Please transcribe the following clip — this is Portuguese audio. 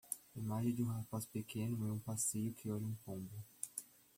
Imagem de um rapaz pequeno em um passeio que olha um pombo.